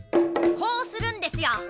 こうするんですよ。